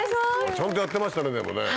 ちゃんとやってましたねでもね。